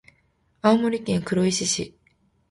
青森県黒石市